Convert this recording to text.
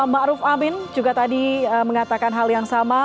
ma'ruf amin juga tadi mengatakan hal yang sama